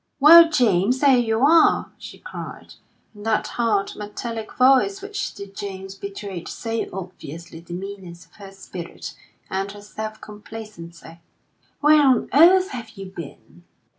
"Well, Jamie, there you are!" she cried, in that hard, metallic voice which to James betrayed so obviously the meanness of her spirit and her self complacency. "Where on earth have you been?"